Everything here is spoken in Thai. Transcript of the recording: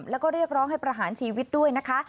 แล้วก็เรียกร้องให้ประหารชีวิตด้วยนะคะ